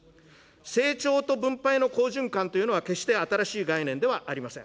成長と分配の好循環というのは決して新しい概念ではありません。